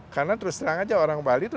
karena terus terang aja orang bali itu